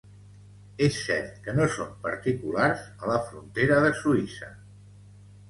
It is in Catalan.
És cert que no són particulars a la frontera de Suïssa.